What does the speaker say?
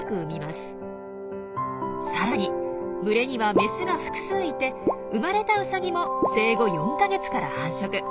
さらに群れにはメスが複数いて生まれたウサギも生後４か月から繁殖。